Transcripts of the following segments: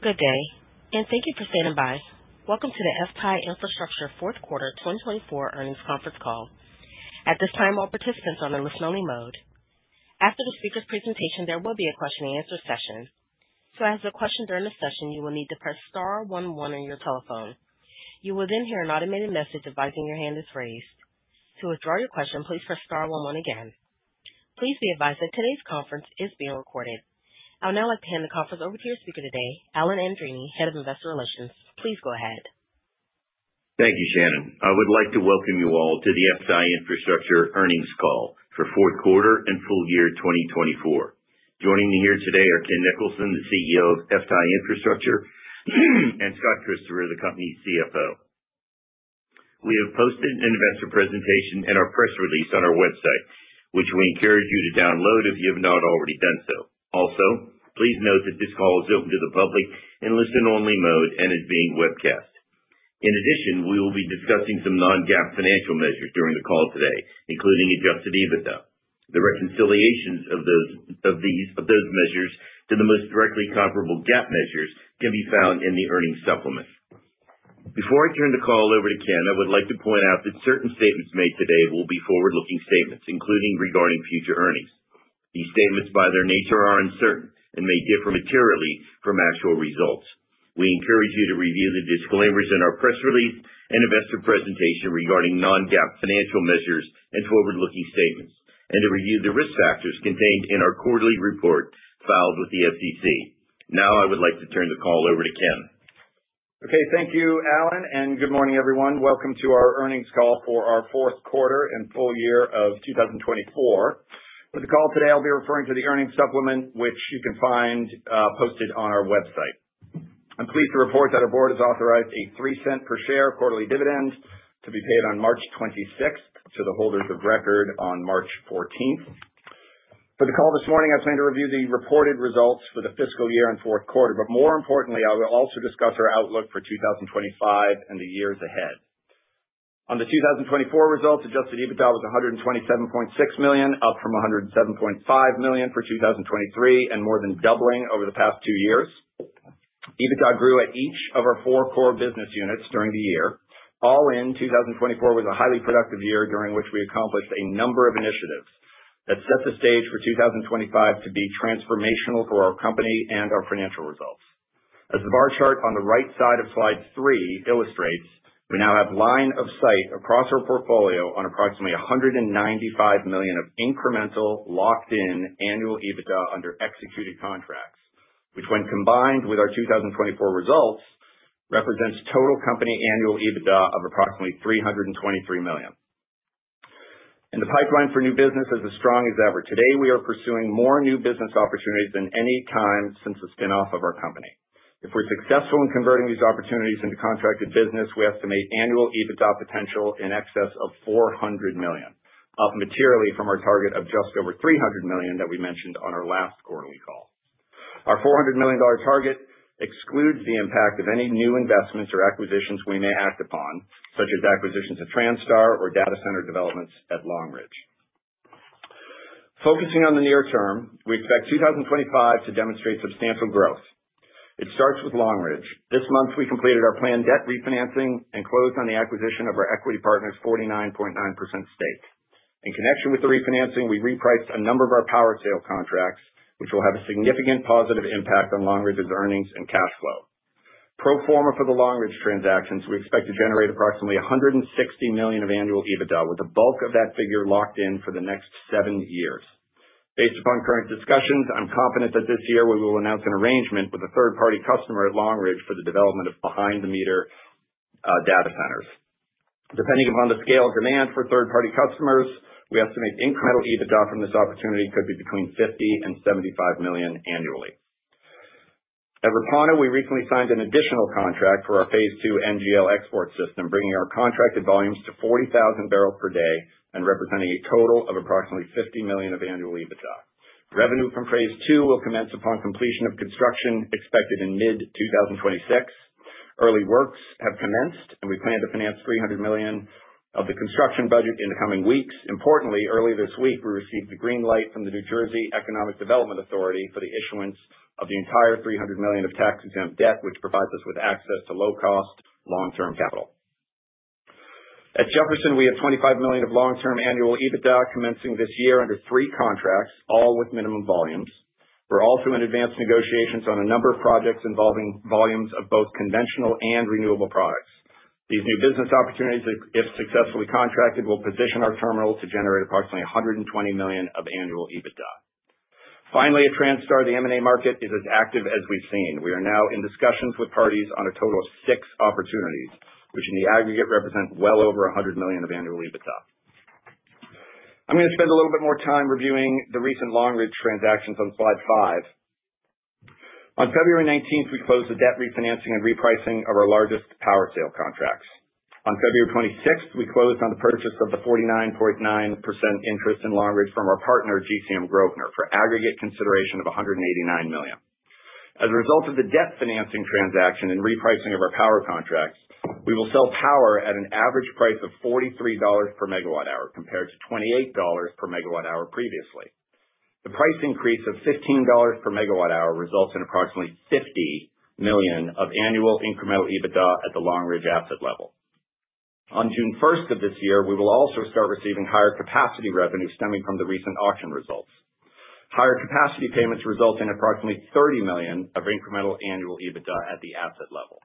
Good day, and thank you for standing by. Welcome to the FTAI Infrastructure Fourth Quarter 2024 Earnings Conference Call. At this time, all participants are on a listen-only mode. After the speaker's presentation, there will be a question-and-answer session. To ask a question during the session, you will need to press star one one on your telephone. You will then hear an automated message advising your hand is raised. To withdraw your question, please press star one one again. Please be advised that today's conference is being recorded. I would now like to hand the conference over to your speaker today, Alan Andreini, Head of Investor Relations. Please go ahead. Thank you, Shannon. I would like to welcome you all to the FTAI Infrastructure Earnings Call for fourth quarter and full year 2024. Joining me here today are Ken Nicholson, the CEO of FTAI Infrastructure, and Scott Christopher, the company's CFO. We have posted an investor presentation and our press release on our website, which we encourage you to download if you have not already done so. Also, please note that this call is open to the public in listen-only mode and is being webcast. In addition, we will be discussing some non-GAAP financial measures during the call today, including adjusted EBITDA. The reconciliations of those measures to the most directly comparable GAAP measures can be found in the earnings supplement. Before I turn the call over to Ken, I would like to point out that certain statements made today will be forward-looking statements, including regarding future earnings. These statements, by their nature, are uncertain and may differ materially from actual results. We encourage you to review the disclaimers in our press release and investor presentation regarding non-GAAP financial measures and forward-looking statements, and to review the risk factors contained in our quarterly report filed with the FERC. Now, I would like to turn the call over to Ken. Okay. Thank you, Alan, and good morning, everyone. Welcome to our earnings call for our fourth quarter and full year of 2024. For the call today, I'll be referring to the earnings supplement, which you can find posted on our website. I'm pleased to report that our board has authorized a $0.03 per share quarterly dividend to be paid on March 26th to the holders of record on March 14th. For the call this morning, I plan to review the reported results for the fiscal year and fourth quarter, but more importantly, I will also discuss our outlook for 2025 and the years ahead. On the 2024 results, adjusted EBITDA was $127.6 million, up from $107.5 million for 2023 and more than doubling over the past two years. EBITDA grew at each of our four core business units during the year. All in, 2024 was a highly productive year during which we accomplished a number of initiatives that set the stage for 2025 to be transformational for our company and our financial results. As the bar chart on the right side of slide three illustrates, we now have line of sight across our portfolio on approximately $195 million of incremental locked-in annual EBITDA under executed contracts, which, when combined with our 2024 results, represents total company annual EBITDA of approximately $323 million. The pipeline for new business is as strong as ever. Today, we are pursuing more new business opportunities than any time since the spinoff of our company. If we're successful in converting these opportunities into contracted business, we estimate annual EBITDA potential in excess of $400 million, up materially from our target of just over $300 million that we mentioned on our last quarterly call. Our $400 million target excludes the impact of any new investments or acquisitions we may act upon, such as acquisitions of Transtar or data center developments at Long Ridge. Focusing on the near term, we expect 2025 to demonstrate substantial growth. It starts with Long Ridge. This month, we completed our planned debt refinancing and closed on the acquisition of our equity partner's 49.9% stake. In connection with the refinancing, we repriced a number of our power sale contracts, which will have a significant positive impact on Long Ridge's earnings and cash flow. Pro forma for the Long Ridge transactions, we expect to generate approximately $160 million of annual EBITDA, with the bulk of that figure locked in for the next seven years. Based upon current discussions, I'm confident that this year we will announce an arrangement with a third-party customer at Long Ridge for the development of behind-the-meter data centers. Depending upon the scale of demand for third-party customers, we estimate incremental EBITDA from this opportunity could be between $50 million and $75 million annually. At Repauno, we recently signed an additional contract for our phase II NGL export system, bringing our contracted volumes to 40,000 barrels per day and representing a total of approximately $50 million of annual EBITDA. Revenue from phase two will commence upon completion of construction expected in mid-2026. Early works have commenced, and we plan to finance $300 million of the construction budget in the coming weeks. Importantly, early this week, we received the green light from the New Jersey Economic Development Authority for the issuance of the entire $300 million of tax-exempt debt, which provides us with access to low-cost, long-term capital. At Jefferson, we have $25 million of long-term annual EBITDA commencing this year under three contracts, all with minimum volumes. We're also in advanced negotiations on a number of projects involving volumes of both conventional and renewable products. These new business opportunities, if successfully contracted, will position our terminal to generate approximately $120 million of annual EBITDA. Finally, at Transtar, the M&A market is as active as we've seen. We are now in discussions with parties on a total of six opportunities, which in the aggregate represent well over $100 million of annual EBITDA. I'm going to spend a little bit more time reviewing the recent Long Ridge transactions on slide five. On February 19th, we closed the debt refinancing and repricing of our largest power sale contracts. On February 26th, we closed on the purchase of the 49.9% interest in Long Ridge from our partner, GCM Grosvenor, for aggregate consideration of $189 million. As a result of the debt financing transaction and repricing of our power contracts, we will sell power at an average price of $43 per MWh compared to $28 per MWh previously. The price increase of $15 per MWh results in approximately $50 million of annual incremental EBITDA at the Long Ridge asset level. On June 1st of this year, we will also start receiving higher capacity revenue stemming from the recent auction results. Higher capacity payments result in approximately $30 million of incremental annual EBITDA at the asset level.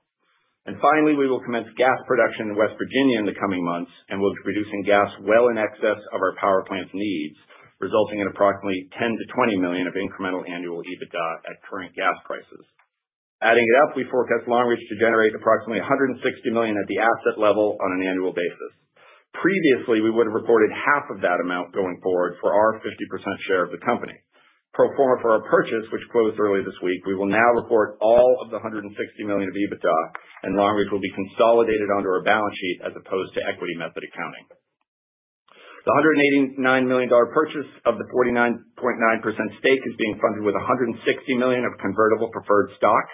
Finally, we will commence gas production in West Virginia in the coming months and will be producing gas well in excess of our power plant's needs, resulting in approximately $10 million-$20 million of incremental annual EBITDA at current gas prices. Adding it up, we forecast Long Ridge to generate approximately $160 million at the asset level on an annual basis. Previously, we would have reported half of that amount going forward for our 50% share of the company. Pro forma for our purchase, which closed early this week, we will now report all of the $160 million of EBITDA, and Long Ridge will be consolidated onto our balance sheet as opposed to equity method accounting. The $189 million purchase of the 49.9% stake is being funded with $160 million of convertible preferred stock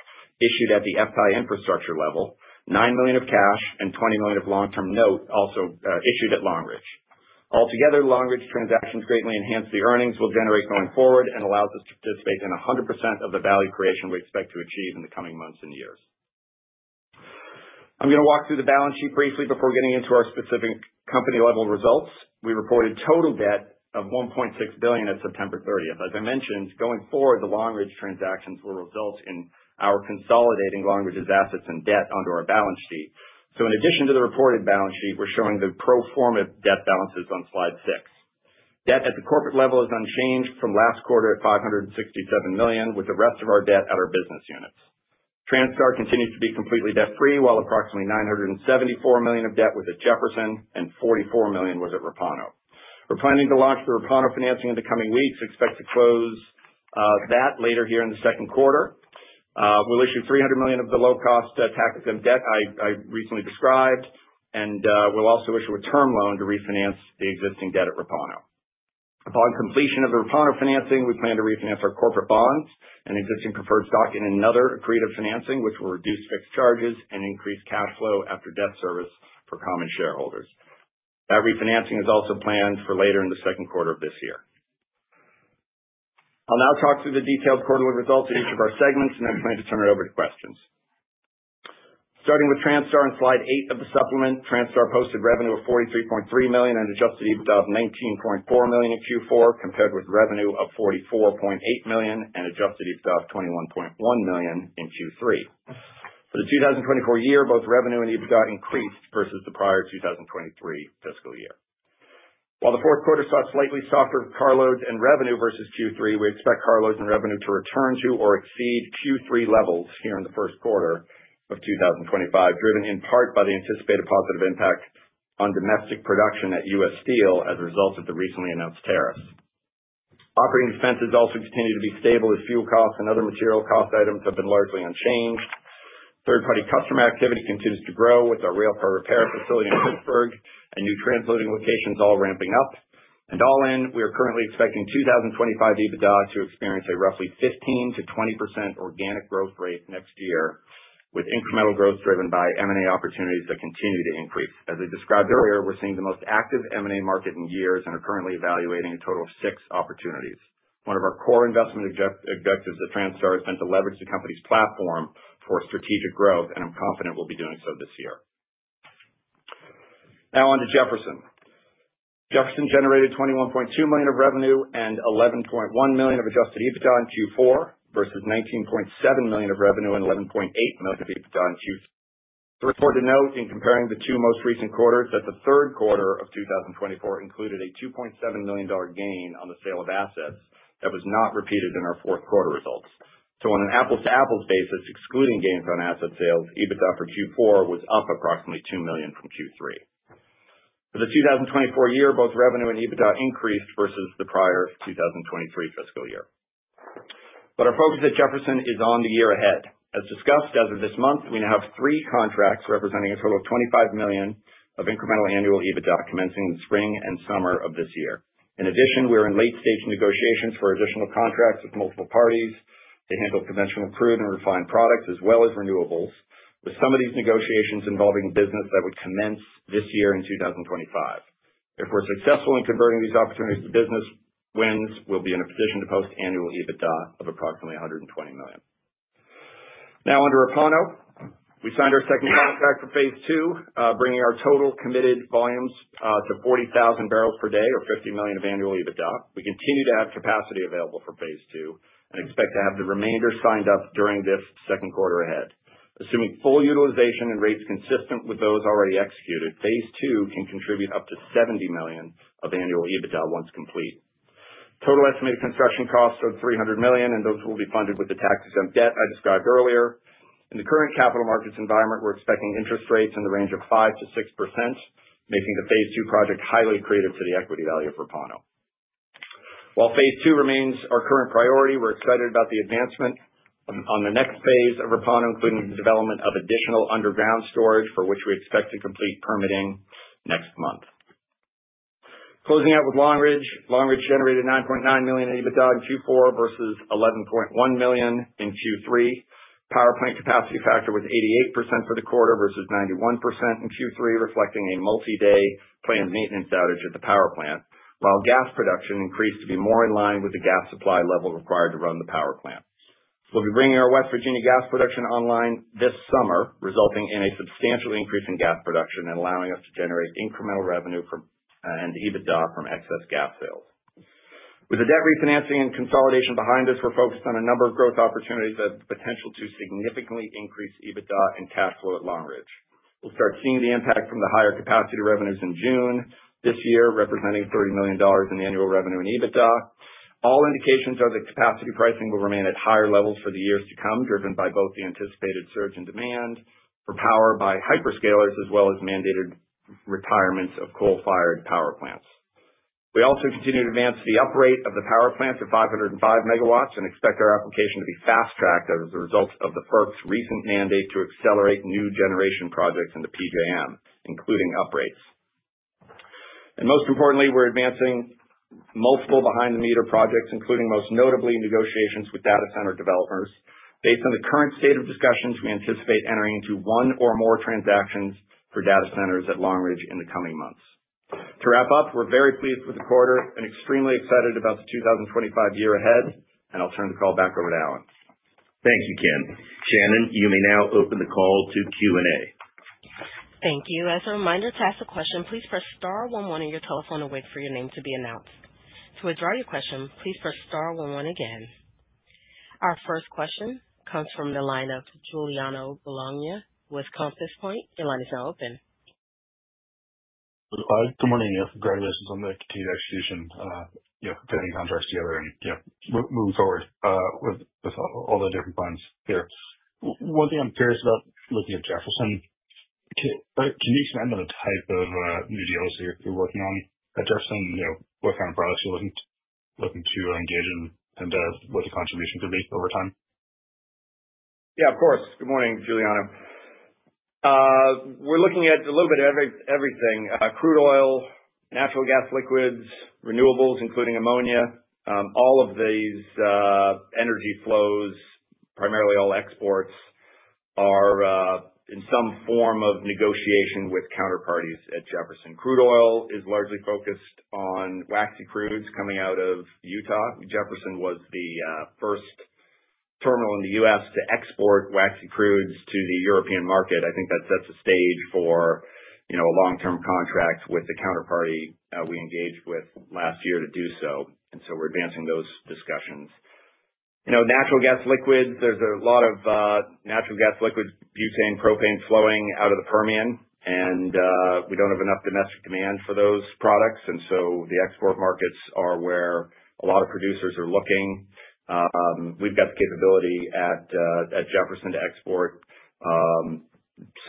issued at the FTAI Infrastructure level, $9 million of cash, and $20 million of long-term note also issued at Long Ridge. Altogether, Long Ridge transactions greatly enhance the earnings we'll generate going forward and allows us to participate in 100% of the value creation we expect to achieve in the coming months and years. I'm going to walk through the balance sheet briefly before getting into our specific company-level results. We reported total debt of $1.6 billion at September 30. As I mentioned, going forward, the Long Ridge transactions will result in our consolidating Long Ridge's assets and debt onto our balance sheet. In addition to the reported balance sheet, we're showing the pro forma debt balances on slide six. Debt at the corporate level is unchanged from last quarter at $567 million, with the rest of our debt at our business units. Transtar continues to be completely debt-free, while approximately $974 million of debt was at Jefferson and $44 million was at Repauno. We're planning to launch the Repauno financing in the coming weeks. Expect to close that later here in the second quarter. We'll issue $300 million of the low-cost tax-exempt debt I recently described, and we'll also issue a term loan to refinance the existing debt at Repauno. Upon completion of the Repauno financing, we plan to refinance our corporate bonds and existing preferred stock in another accretive financing, which will reduce fixed charges and increase cash flow after debt service for common shareholders. That refinancing is also planned for later in the second quarter of this year. I'll now talk through the detailed quarterly results of each of our segments, and then plan to turn it over to questions. Starting with Transtar on slide eight of the supplement, Transtar posted revenue of $43.3 million and adjusted EBITDA of $19.4 million in Q4, compared with revenue of $44.8 million and adjusted EBITDA of $21.1 million in Q3. For the 2024 year, both revenue and EBITDA increased versus the prior 2023 fiscal year. While the fourth quarter saw slightly softer car loads and revenue versus Q3, we expect car loads and revenue to return to or exceed Q3 levels here in the first quarter of 2025, driven in part by the anticipated positive impact on domestic production at U.S. Steel as a result of the recently announced tariffs. Operating expenses also continue to be stable as fuel costs and other material cost items have been largely unchanged. Third-party customer activity continues to grow with our railcar repair facility in Pittsburgh and new transloading locations all ramping up. All in, we are currently expecting 2025 EBITDA to experience a roughly 15%-20% organic growth rate next year, with incremental growth driven by M&A opportunities that continue to increase. As I described earlier, we're seeing the most active M&A market in years and are currently evaluating a total of six opportunities. One of our core investment objectives at Transtar is meant to leverage the company's platform for strategic growth, and I'm confident we'll be doing so this year. Now on to Jefferson. Jefferson generated $21.2 million of revenue and $11.1 million of adjusted EBITDA in Q4 versus $19.7 million of revenue and $11.8 million of EBITDA in Q3. Important note: in comparing the two most recent quarters, the third quarter of 2024 included a $2.7 million gain on the sale of assets that was not repeated in our fourth quarter results. On an apples-to-apples basis, excluding gains on asset sales, EBITDA for Q4 was up approximately $2 million from Q3. For the 2024 year, both revenue and EBITDA increased versus the prior 2023 fiscal year. Our focus at Jefferson is on the year ahead. As discussed, as of this month, we now have three contracts representing a total of $25 million of incremental annual EBITDA commencing in the spring and summer of this year. In addition, we are in late-stage negotiations for additional contracts with multiple parties to handle conventional crude and refined products, as well as renewables, with some of these negotiations involving business that would commence this year in 2025. If we're successful in converting these opportunities to business wins, we'll be in a position to post annual EBITDA of approximately $120 million. Now, under Repauno, we signed our second contract for phase two, bringing our total committed volumes to 40,000 barrels per day or $50 million of annual EBITDA. We continue to have capacity available for phase two and expect to have the remainder signed up during this second quarter ahead. Assuming full utilization and rates consistent with those already executed, phase two can contribute up to $70 million of annual EBITDA once complete. Total estimated construction costs are $300 million, and those will be funded with the tax-exempt debt I described earlier. In the current capital markets environment, we're expecting interest rates in the range of 5%-6%, making the phase two project highly accretive to the equity value of Repauno. While phase two remains our current priority, we're excited about the advancement on the next phase of Repauno, including the development of additional underground storage, for which we expect to complete permitting next month. Closing out with Long Ridge, Long Ridge generated $9.9 million in EBITDA in Q4 versus $11.1 million in Q3. Power plant capacity factor was 88% for the quarter versus 91% in Q3, reflecting a multi-day planned maintenance outage at the power plant, while gas production increased to be more in line with the gas supply level required to run the power plant. We'll be bringing our West Virginia gas production online this summer, resulting in a substantial increase in gas production and allowing us to generate incremental revenue and EBITDA from excess gas sales. With the debt refinancing and consolidation behind us, we're focused on a number of growth opportunities that have the potential to significantly increase EBITDA and cash flow at Long Ridge. We'll start seeing the impact from the higher capacity revenues in June this year, representing $30 million in annual revenue and EBITDA. All indications are that capacity pricing will remain at higher levels for the years to come, driven by both the anticipated surge in demand for power by hyperscalers as well as mandated retirements of coal-fired power plants. We also continue to advance the uprate of the power plant to 505 MW and expect our application to be fast-tracked as a result of the FERC's recent mandate to accelerate new generation projects in the PJM, including uprates. Most importantly, we're advancing multiple behind-the-meter projects, including most notably negotiations with data center developers. Based on the current state of discussions, we anticipate entering into one or more transactions for data centers at Long Ridge in the coming months. To wrap up, we're very pleased with the quarter and extremely excited about the 2025 year ahead. I'll turn the call back over to Alan. Thank you, Ken. Shannon, you may now open the call to Q&A. Thank you. As a reminder to ask a question, please press star one one on your telephone and wait for your name to be announced. To withdraw your question, please press star one one again. Our first question comes from the line of Giuliano Bologna with Compass Point. Your line is now open. Hi. Good morning. Congratulations on the continued execution of getting contracts together and moving forward with all the different funds here. One thing I'm curious about looking at Jefferson, can you expand on the type of new deals you're working on at Jefferson? What kind of products you're looking to engage in and what the contribution could be over time? Yeah, of course. Good morning, Giuliano. We're looking at a little bit of everything: crude oil, natural gas liquids, renewables, including ammonia. All of these energy flows, primarily all exports, are in some form of negotiation with counterparties at Jefferson. Crude oil is largely focused on waxy crudes coming out of Utah. Jefferson was the first terminal in the U.S. to export waxy crudes to the European market. I think that sets the stage for a long-term contract with the counterparty we engaged with last year to do so. We are advancing those discussions. Natural gas liquids, there is a lot of natural gas liquids, butane, propane flowing out of the Permian, and we do not have enough domestic demand for those products. The export markets are where a lot of producers are looking. We have got the capability at Jefferson to export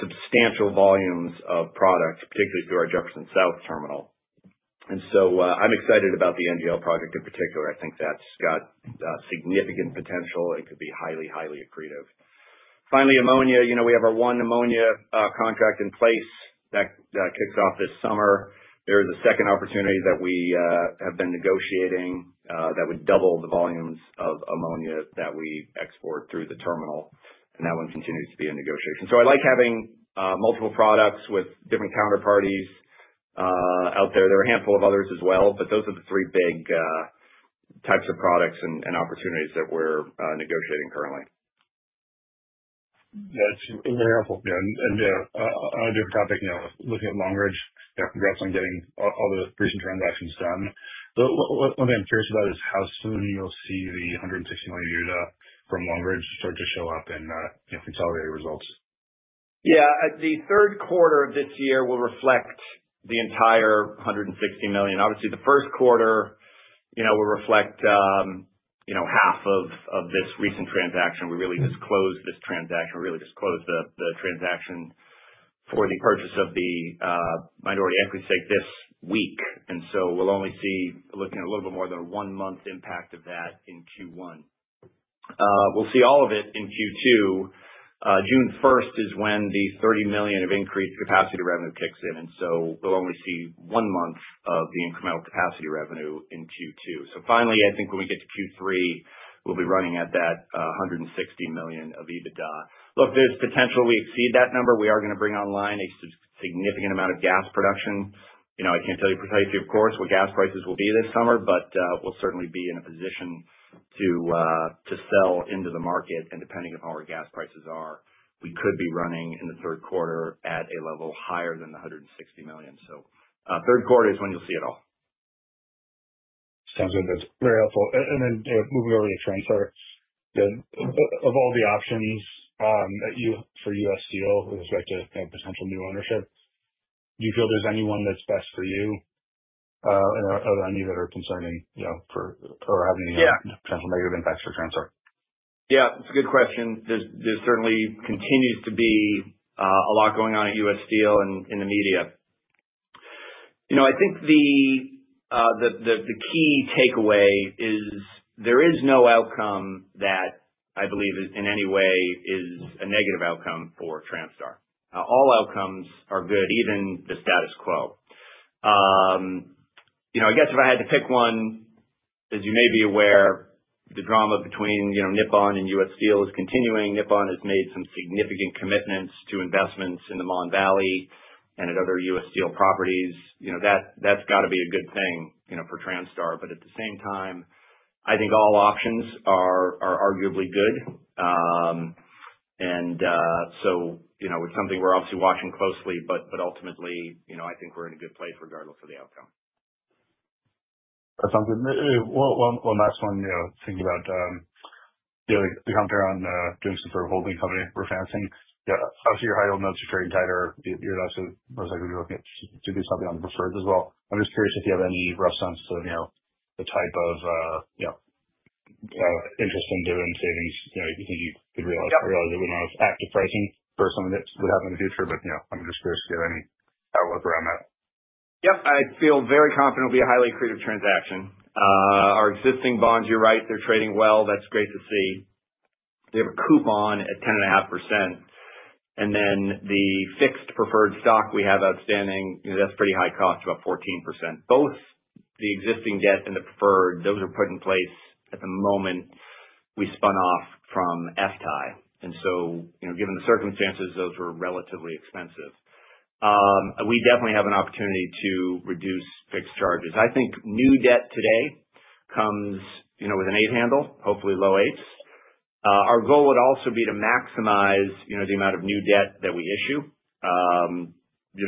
substantial volumes of products, particularly through our Jefferson South terminal. I am excited about the NGL project in particular. I think that's got significant potential and could be highly, highly accretive. Finally, ammonia, we have our one ammonia contract in place that kicks off this summer. There is a second opportunity that we have been negotiating that would double the volumes of ammonia that we export through the terminal. That one continues to be in negotiation. I like having multiple products with different counterparties out there. There are a handful of others as well, but those are the three big types of products and opportunities that we're negotiating currently. That's very helpful. On a different topic, looking at Long Ridge, congrats on getting all the recent transactions done. One thing I'm curious about is how soon you'll see the $160 million EBITDA from Long Ridge start to show up and consolidate results. Yeah. The third quarter of this year will reflect the entire $160 million. Obviously, the first quarter will reflect half of this recent transaction. We really just closed this transaction. We really just closed the transaction for the purchase of the minority equity stake this week. We will only see looking at a little bit more than a one-month impact of that in Q1. We will see all of it in Q2. June 1st is when the $30 million of increased capacity revenue kicks in. We will only see one month of the incremental capacity revenue in Q2. Finally, I think when we get to Q3, we will be running at that $160 million of EBITDA. Look, there is potential we exceed that number. We are going to bring online a significant amount of gas production. I cannot tell you precisely, of course, what gas prices will be this summer, but we will certainly be in a position to sell into the market. Depending on how our gas prices are, we could be running in the third quarter at a level higher than the $160 million. Third quarter is when you'll see it all. Sounds good. That's very helpful. Moving over to Transtar, of all the options for U.S. Steel with respect to potential new ownership, do you feel there's anyone that's best for you? Are there any that are concerning or have any potential negative impacts for Transtar? Yeah. It's a good question. There certainly continues to be a lot going on at U.S. Steel and in the media. I think the key takeaway is there is no outcome that I believe in any way is a negative outcome for Transtar. All outcomes are good, even the status quo. I guess if I had to pick one, as you may be aware, the drama between Nippon and U.S. Steel is continuing. Nippon has made some significant commitments to investments in the Mon Valley and at other U.S. Steel properties. That has got to be a good thing for Transtar. At the same time, I think all options are arguably good. It is something we are obviously watching closely, but ultimately, I think we are in a good place regardless of the outcome. That sounds good. One last one, thinking about the counter on doing some sort of holding company refinancing. Obviously, your high yield notes are trading tighter. You are most likely going to be looking at doing something on the preferreds as well. I am just curious if you have any rough sense of the type of interest and dividend savings you think you could realize if you did not have active pricing for something that would happen in the future. I'm just curious if you have any outlook around that. Yep. I feel very confident it'll be a highly accretive transaction. Our existing bonds, you're right, they're trading well. That's great to see. They have a coupon at 10.5%. And then the fixed preferred stock we have outstanding, that's pretty high cost, about 14%. Both the existing debt and the preferred, those are put in place at the moment we spun off from FTAI. Given the circumstances, those were relatively expensive. We definitely have an opportunity to reduce fixed charges. I think new debt today comes with an eight handle, hopefully low eights. Our goal would also be to maximize the amount of new debt that we issue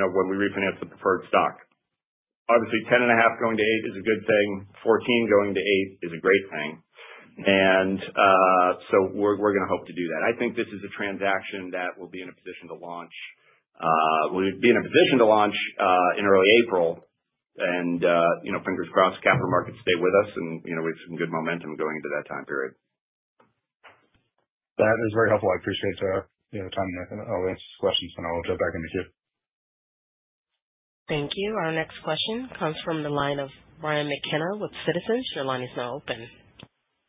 when we refinance the preferred stock. Obviously, 10.5% going to 8% is a good thing. 14% going to 8% is a great thing. We're going to hope to do that. I think this is a transaction that we'll be in a position to launch. We'll be in a position to launch in early April. Fingers crossed, capital markets stay with us, and we have some good momentum going into that time period. That is very helpful. I appreciate your time and answered these questions. I'll jump back into queue. Thank you. Our next question comes from the line of Brian McKenna with Citizens. Your line is now open.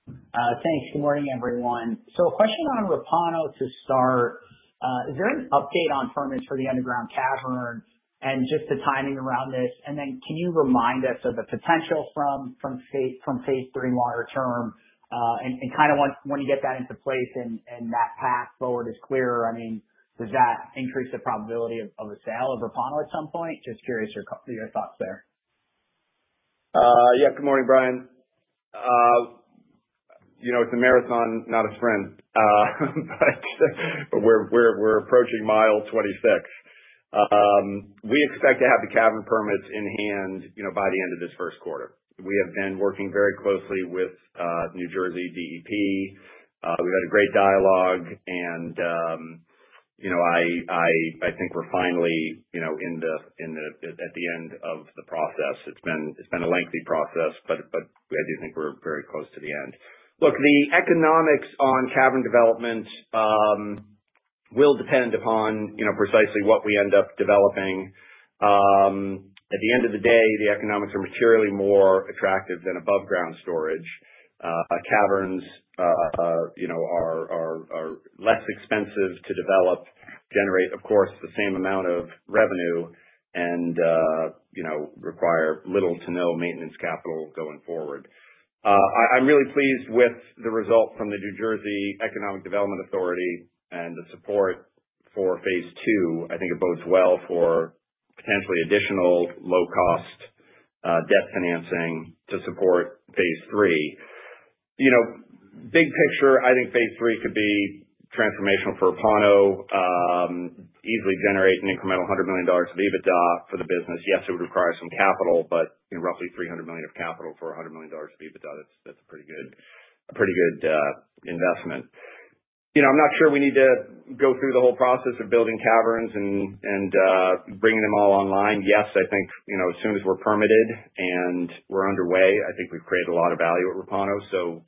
Thanks. Good morning, everyone. A question on Repauno to start. Is there an update on permits for the underground cavern and just the timing around this? Can you remind us of the potential from phase three longer term? Kind of when you get that into place and that path forward is clearer, I mean, does that increase the probability of a sale of Repauno at some point? Just curious your thoughts there. Yeah. Good morning, Brian. It's a marathon, not a sprint, but we're approaching mile 26. We expect to have the cavern permits in hand by the end of this first quarter. We have been working very closely with New Jersey DEP. We've had a great dialogue. I think we're finally at the end of the process. It's been a lengthy process, but I do think we're very close to the end. Look, the economics on cavern development will depend upon precisely what we end up developing. At the end of the day, the economics are materially more attractive than above-ground storage. Caverns are less expensive to develop, generate, of course, the same amount of revenue, and require little to no maintenance capital going forward. I'm really pleased with the result from the New Jersey Economic Development Authority and the support for phase II. I think it bodes well for potentially additional low-cost debt financing to support phase III. Big picture, I think phase III could be transformational for Repauno, easily generate an incremental $100 million of EBITDA for the business. Yes, it would require some capital, but roughly $300 million of capital for $100 million of EBITDA, that's a pretty good investment. I'm not sure we need to go through the whole process of building caverns and bringing them all online. Yes, I think as soon as we're permitted and we're underway, I think we've created a lot of value at Repauno.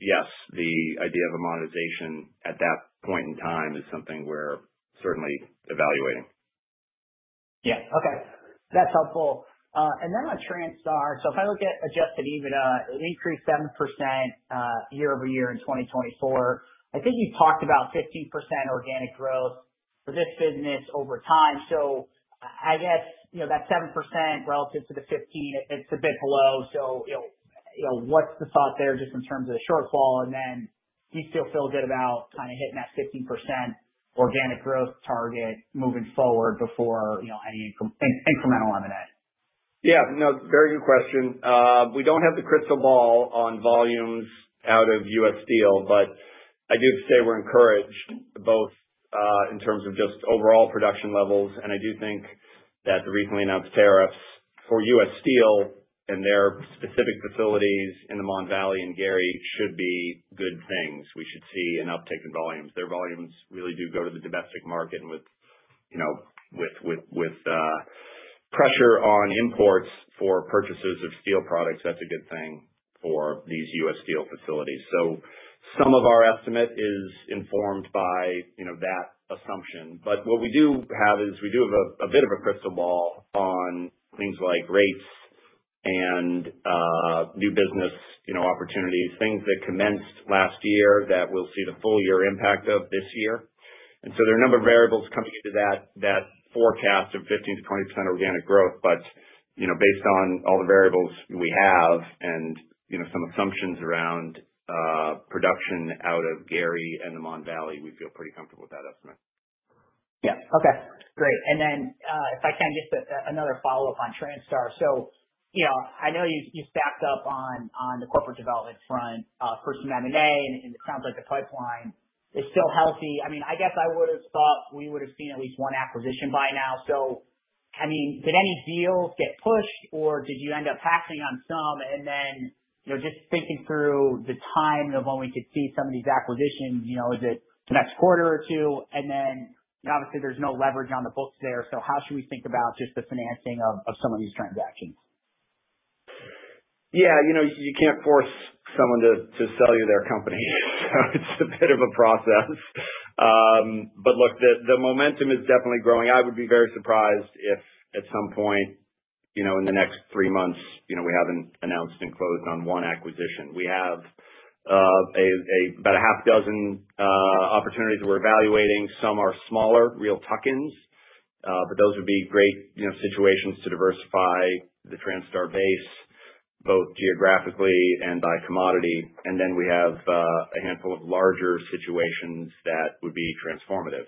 Yes, the idea of a monetization at that point in time is something we're certainly evaluating. Yeah. Okay. That's helpful. And then on Transtar, if I look at adjusted EBITDA, it increased 7% year-over-year in 2024. I think you talked about 15% organic growth for this business over time. I guess that 7% relative to the 15%, it's a bit below. What's the thought there just in terms of the shortfall? Do you still feel good about kind of hitting that 15% organic growth target moving forward before any incremental M&A? Yeah. No, very good question. We don't have the crystal ball on volumes out of U.S. Steel, but I do say we're encouraged both in terms of just overall production levels. I do think that the recently announced tariffs for U.S. Steel and their specific facilities in the Mon Valley and Gary should be good things. We should see an uptick in volumes. Their volumes really do go to the domestic market. With pressure on imports for purchases of steel products, that's a good thing for these U.S. Steel facilities. Some of our estimate is informed by that assumption. What we do have is we do have a bit of a crystal ball on things like rates and new business opportunities, things that commenced last year that we'll see the full year impact of this year. There are a number of variables coming into that forecast of 15%-20% organic growth. Based on all the variables we have and some assumptions around production out of Gary and the Mon Valley, we feel pretty comfortable with that estimate. Yeah. Okay. Great. If I can just ask another follow-up on Transtar. I know you stacked up on the corporate development front for some M&A, and it sounds like the pipeline is still healthy. I mean, I guess I would have thought we would have seen at least one acquisition by now. Did any deals get pushed, or did you end up passing on some? Just thinking through the timing of when we could see some of these acquisitions, is it the next quarter or two? Obviously, there's no leverage on the books there. How should we think about just the financing of some of these transactions? You can't force someone to sell you their company. It's a bit of a process. The momentum is definitely growing. I would be very surprised if at some point in the next three months, we haven't announced and closed on one acquisition. We have about a half dozen opportunities that we're evaluating. Some are smaller, real tuck-ins, but those would be great situations to diversify the Transtar base both geographically and by commodity. We have a handful of larger situations that would be transformative.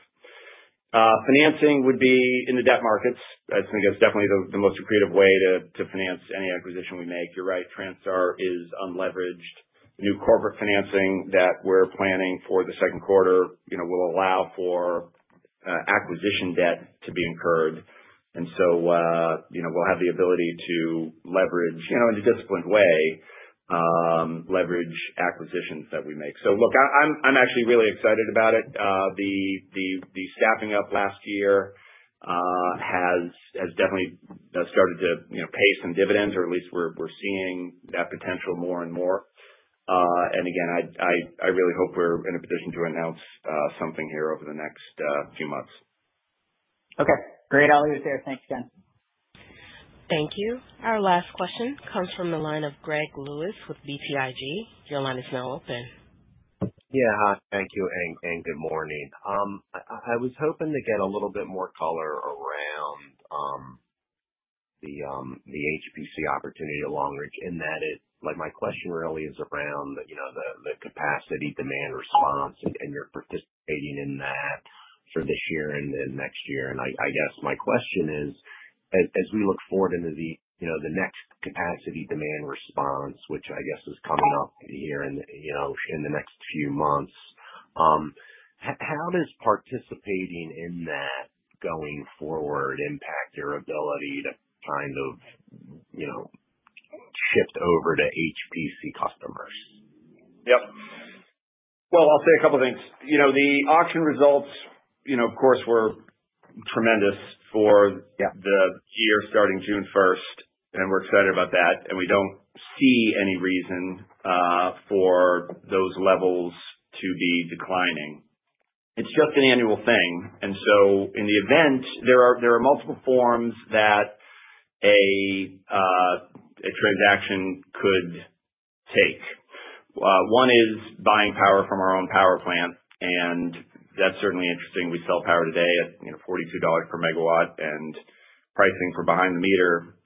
Financing would be in the debt markets. I think it's definitely the most accretive way to finance any acquisition we make. You're right. Transtar is unleveraged. New corporate financing that we're planning for the second quarter will allow for acquisition debt to be incurred. We will have the ability to leverage in a disciplined way, leverage acquisitions that we make. I am actually really excited about it. The staffing up last year has definitely started to pay some dividends, or at least we're seeing that potential more and more. I really hope we're in a position to announce something here over the next few months. Okay. Great. I'll leave it there. Thanks again. Thank you. Our last question comes from the line of Greg Lewis with BTIG. Your line is now open. Yeah. Hi. Thank you. And good morning. I was hoping to get a little bit more color around the HPC opportunity at Long Ridge in that my question really is around the capacity demand response and your participating in that for this year and next year. I guess my question is, as we look forward into the next capacity demand response, which I guess is coming up here in the next few months, how does participating in that going forward impact your ability to kind of shift over to HPC customers? Yep. I will say a couple of things. The auction results, of course, were tremendous for the year starting June 1st, and we are excited about that. We do not see any reason for those levels to be declining. It is just an annual thing. In the event, there are multiple forms that a transaction could take. One is buying power from our own power plant, and that is certainly interesting. We sell power today at $42 per MW, and pricing for behind-the-meter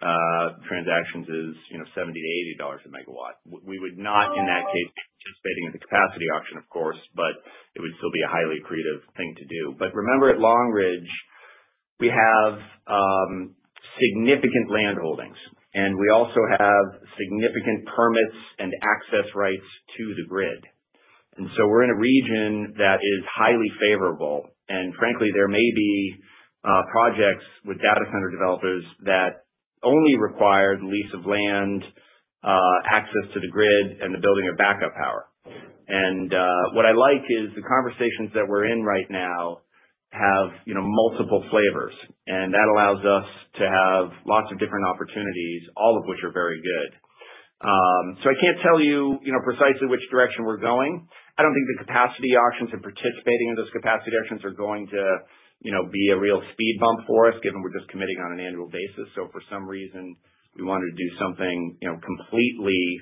transactions is $70-$80 a MW. We would not, in that case, be participating in the capacity auction, of course, but it would still be a highly accretive thing to do. Remember, at Long Ridge, we have significant land holdings, and we also have significant permits and access rights to the grid. We are in a region that is highly favorable. Frankly, there may be projects with data center developers that only require the lease of land, access to the grid, and the building of backup power. What I like is the conversations that we are in right now have multiple flavors, and that allows us to have lots of different opportunities, all of which are very good. I cannot tell you precisely which direction we are going. I don't think the capacity auctions and participating in those capacity auctions are going to be a real speed bump for us, given we're just committing on an annual basis. For some reason, we wanted to do something completely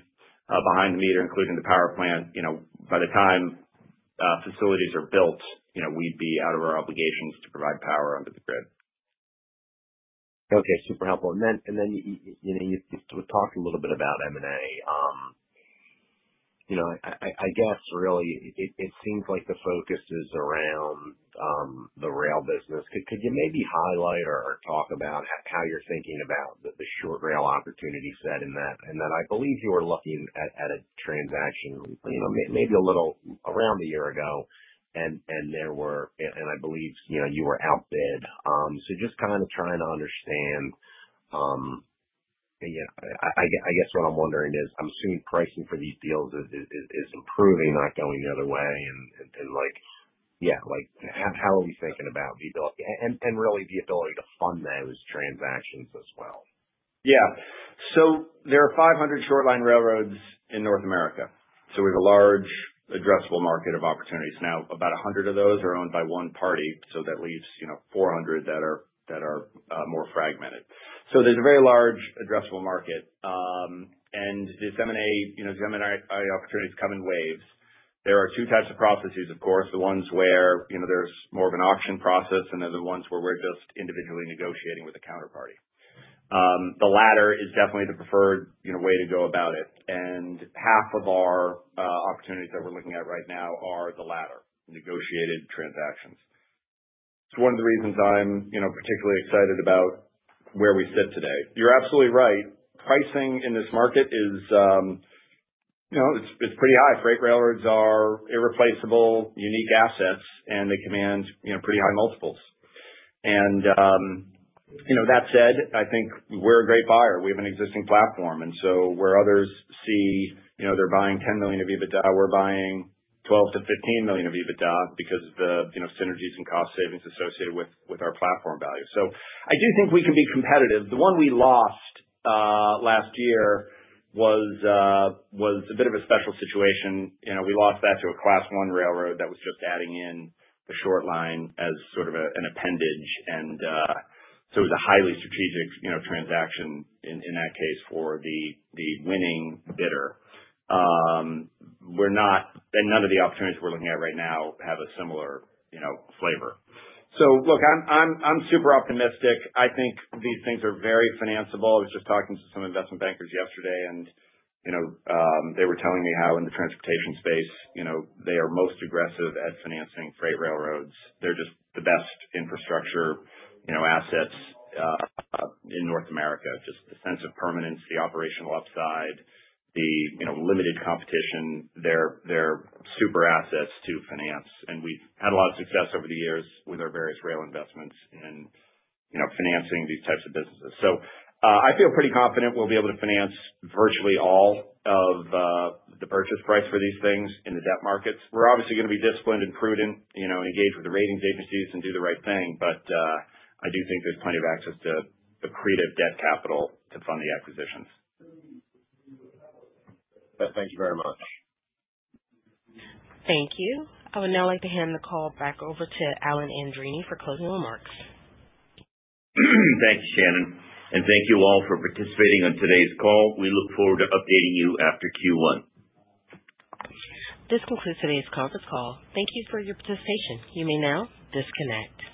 behind the meter, including the power plant. By the time facilities are built, we'd be out of our obligations to provide power under the grid. Okay. Super helpful. You talked a little bit about M&A. I guess really it seems like the focus is around the rail business. Could you maybe highlight or talk about how you're thinking about the short rail opportunity set in that? I believe you were looking at a transaction maybe a little around a year ago, and I believe you were outbid. Just kind of trying to understand. I guess what I'm wondering is I'm assuming pricing for these deals is improving, not going the other way. Yeah, how are we thinking about the ability and really the ability to fund those transactions as well? Yeah. There are 500 short line railroads in North America. We have a large addressable market of opportunities. Now, about 100 of those are owned by one party, so that leaves 400 that are more fragmented. There is a very large addressable market. These M&A opportunities come in waves. There are two types of processes, of course. The ones where there is more of an auction process, and then the ones where we're just individually negotiating with a counterparty. The latter is definitely the preferred way to go about it. Half of our opportunities that we're looking at right now are the latter, negotiated transactions. It's one of the reasons I'm particularly excited about where we sit today. You're absolutely right. Pricing in this market is pretty high. Freight railroads are irreplaceable, unique assets, and they command pretty high multiples. That said, I think we're a great buyer. We have an existing platform. Where others see they're buying $10 million of EBITDA, we're buying $12 million-$15 million of EBITDA because of the synergies and cost savings associated with our platform value. I do think we can be competitive. The one we lost last year was a bit of a special situation. We lost that to a Class I railroad that was just adding in the short line as sort of an appendage. It was a highly strategic transaction in that case for the winning bidder. None of the opportunities we're looking at right now have a similar flavor. Look, I'm super optimistic. I think these things are very financeable. I was just talking to some investment bankers yesterday, and they were telling me how in the transportation space they are most aggressive at financing freight railroads. They're just the best infrastructure assets in North America. The sense of permanence, the operational upside, the limited competition. They're super assets to finance. We've had a lot of success over the years with our various rail investments in financing these types of businesses. I feel pretty confident we'll be able to finance virtually all of the purchase price for these things in the debt markets. We're obviously going to be disciplined and prudent and engage with the ratings agencies and do the right thing. I do think there's plenty of access to accretive debt capital to fund the acquisitions. Thank you very much. Thank you. I would now like to hand the call back over to Alan Andreini for closing remarks. Thank you, Shannon. And thank you all for participating in today's call. We look forward to updating you after Q1. This concludes today's conference call. Thank you for your participation. You may now disconnect.